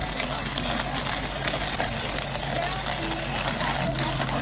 แก๊นิทย์มันซื้อที่ที่เกาะด้วยและชอบกจากราฟัน